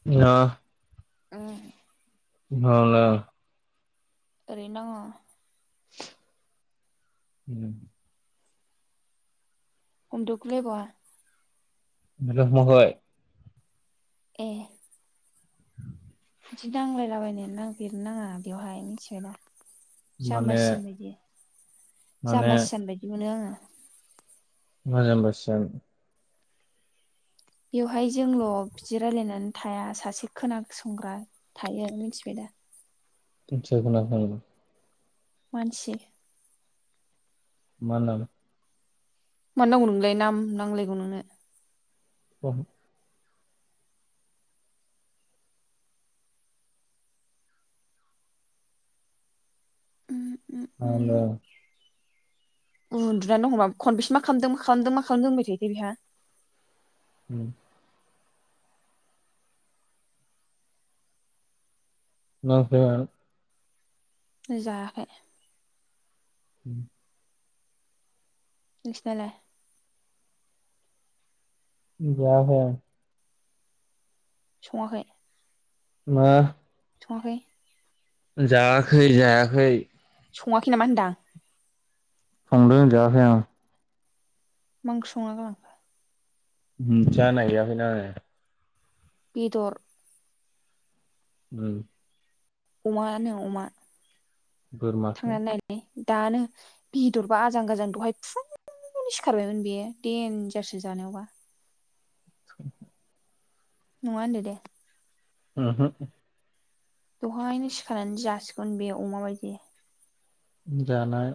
[unintelligible] औ [unintelligible] ओरैनो दङ। उम। उमन्दुगुलायबावा। [unintelligible] ए बिदि नांलायलाबायनाय नागिरनो नाङा बेवहाय मिथिबाय ना जामबा माने सियान बायदि माने जामबा सियान बायदि मोनो आंङो। मोजां बोसोन बेवहाय जोंल' बिदि रायलायनानै थाया सासे खोनासंग्रा थायो मिथिबाय दा। जोगोनार [inaudible] मानसि मा नाम? मानो नांगौ नोंनोलाय नाम नांलायगौ नोंनो। अहो। आ दे। उन्दुनानै दं होमबा खनबेसे मा खालामदों मा खालामदों मा खालामदों होनबाय थायोथाय बेहा। उम। मा ओंख्रिमोन? जायाखै। उम नोंसिनालाय? जायाखै [inaudible] सङाखै? मा? संआखै? जायाखै जायाखै। सङाखै नामा होनदां? संदों जायाखै आं। मा ओंख्रि संना गालांखो। मोन्थिया नायाखैनो‌ आङो। बेदर। उम। अमा नो अमा। बोरमासो। थांनानै नायलाय दानो बेदरबा आजां गाजां दहाय फुंनो सिखारबायमोन बेयो देन्जारसो जानायावबा। [inaudible] नङा होनदो दे‌। उमहु। दहायनो सिखारनानै जासिगोन बे अमा बायदि। जानाय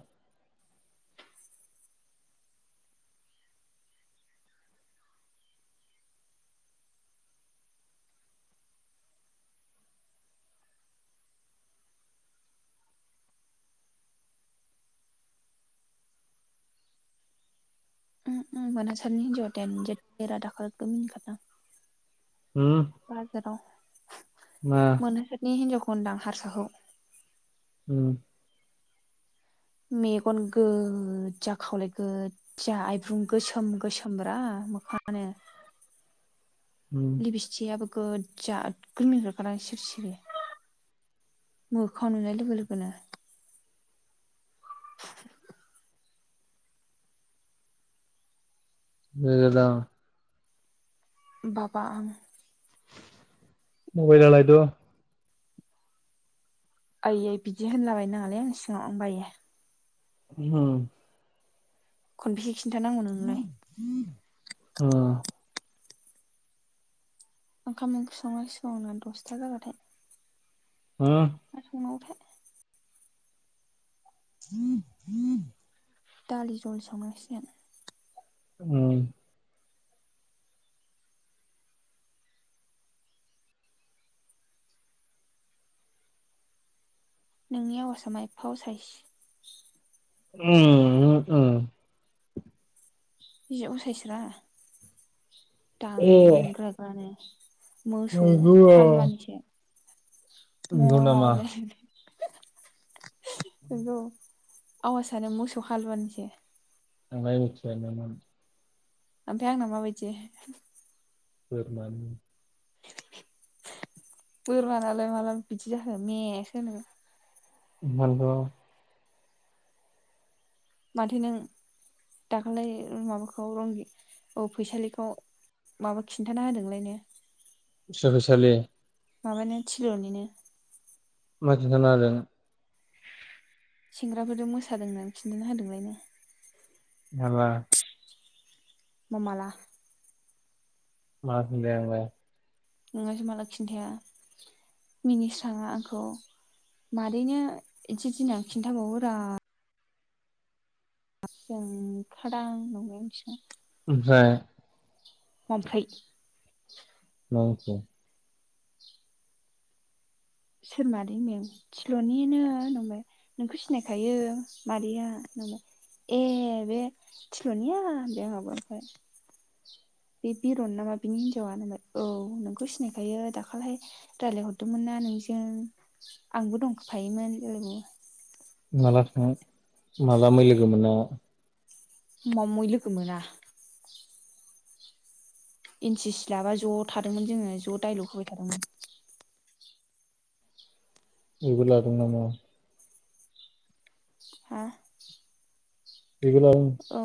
उम उम मानासारनि हिन्जावआ देनजार [unintelligible] दाखालैबो मिनिखादां। उम बाजाराव। मा मोनासारनि हिनजावखौ हनदां हारसाखौ। उम। मेगन गोजा खावलाय गदजा आइब्रुं गोसोम गोसोमब्रा मोखाङानो। उम लिबिस्थियाबो गोजा नोग्गोर मिनिहरखादां सिरि सिरि। मोखां नुनाय लोगो लोगोनो। मोजां। बबा आं मबाइलालायदो आयै बिदि होनलाबाय नङालायै आंनि सिङागांआव आं बायो होम खनबिसे कि खिन्थानांगौ नोंनोलाय? उम ओंखाम ओंख्रि संनां सिगौ दसथा जाबाथाय। [inaudible] [unintelligible] दालि जहल संनांसिगोन ओं नोंनि आवासा मा एफा असाइस [unintelligible] ओ बे उसायस ए दांग्राग्रानो मोसौ नंगौ अ हालुवानिसो। म नंगौ नामा लै नंगौ आवासानो मोसौ हालुवानिसो आंलाय मिथियानोमोन। ओमफाय आंना माबायदि। बोरमानि बोरमानालाय माला बिदि जाखोन मे सो होनो। मालगाव माथो नों दाखालै माबाखौ रंगि औ फैसालिखौ माबा खिन्थाना होदोंलायनो। सोर फैसालि? माबानाय थिल'निनो- मजथादों सेंग्राफोरजों मोसादों होननानै खिन्थाना होदोंलायनो माला मा माला मा होनदो आंलाय नोंहासो माला खिन्थाया मिनिस्रांआ आंखौ मादैनो इदि इदि होनना खिन्थाबावो रा। जों खादां नंनायासो ओमफ्राय मामफै औ औ सोर मादै मं थिल'निनो होनमबाय नोंखौ सिनायखायो मादैया नंबाय। ए बे थिल'निया बे आंहाबो बे बिरन नामा बिनि हिनजावा नालाय औ नोंखौ सिनायखायो दाखालिहाय रायजलायहरदोंमोन ना नोंजों आंबो दंफायोमोन जालायबावो। माला थां माला मैलोगो मोना मा मैल'खो मोना एन सि सि लाबा ज' थादोंमोन जोङो ज' डायलग होबाय थादोंमोन। बेबो लादों नामा? हा? बेबो लादों। औ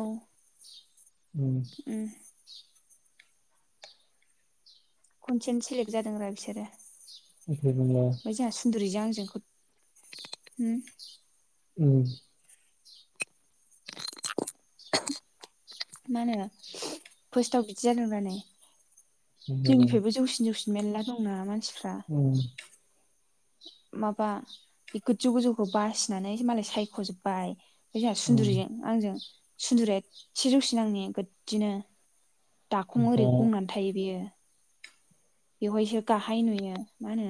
उम। खनसेनो सेलेक्ट जादों रा फिसोरो। एख' बुंला। बिजों आंजोंखौ होम उम। मा होनो फार्स्टाव बिदि जादों रा नै उम जोंनिफ्रायबो जौसिन जौसिन मेरला दं ना मा सिफ्रा उम माबा बे गोजौ गोजौखौ बासिनानै मालाय सायख'जोब्बाय। फाय जोंहा उम सुन्दुरिजों आंजों सुन्दुरिया एसे जौसिन‌ आंनि गोजिनो दाखं ओरै ओमफ्राय गंनानै थायो बेयो। बेवहायसो गाहाय नुयो मा होनो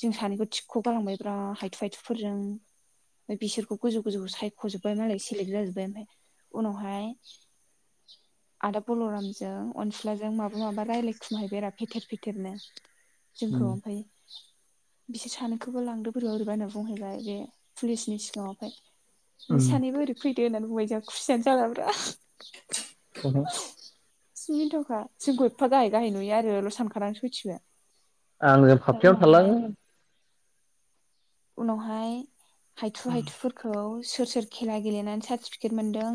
जों सानैखौ थिख' गालांबाय ब्रा हायथु हायथुफोरजों ओमफाय बिसोरखौ गोजौ गोजौ सायख'जोबबाय मालाय सेलेक्ट जाजोब्बाय ओमफाय उनावहाय आदा बल'रामजों अनसुलाजों माबा माबा रायलाय खुमाहैबाय रा फेथेर फे थेरनोे जोंखौ उम ओमफाय बिसोर सानैखौबो लांदो बोरैबा ओरैबा होनना बुंहैबाय बे पुलिसनि सिगाङावहाय। नोंसो उम सानैबो ओरै फै दो होननानै बुंबाय जोंहा खुसियानो जालाब्रा उमहो। जि मिनिथावखा जोंखौ एफा गाहाय गाहाय नुयो आरोल' सानखा [unintelligible] सयथिबो - आंजों फापफ्लियावनो थालाङो। उनावहाय हायथु हायथुफोरखौ सोर सोर खेला गेलेनानै सार्टिफिकेट मोनदों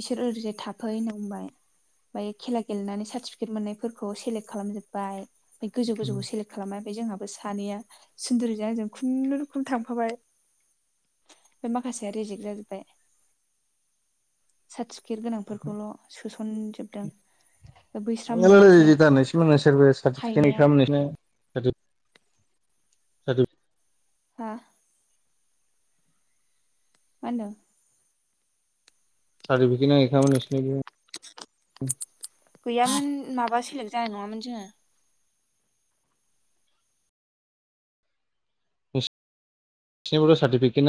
बिसोर ओरैजाय थाफै होनना बुंबाय ओमफाय खेला गेलेनानै सार्टिफिकेट मोननायफोरखौ सेलेक्ट खालामजोबबाय। बे गोजौ गोजौखौ थालाङो सेलेक्ट खालामबाय। ओमफाय जोंहाबो सानैया सुन्दुरिजों आंजों खुनु रोखोम थांफाबाय ओमफाय माखासेया रिजेक्ट जाजोबबाय सार्टि फिखिर गोनांफोरखौल' सोसनजोबदों बैस्रा मोनासै दाननैसो मोना सोरबा सार्टिफिकेट हायनाया गैखायामोन [unintelligible] [unintelligible] हा? मा होनदों? सार्टिफिकेना [unintelligible] गैयामोन माबा सेलेक्ट जानाय नंङामोन जोंङो। [inaudible] [unintelligible] सारटिफेकेना